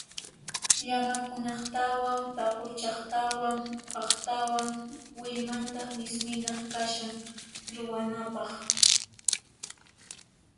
Llamakunaqtawan paquchaqtawan uhaqtawan willmanta mismina waskha ruwanapaq.